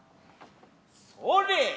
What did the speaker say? それ。